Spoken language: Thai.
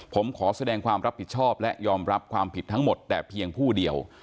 ผมขอแสดงความรับผิดชอบและยอมรับความผิดทั้งหมดแต่เพียงผู้เดียว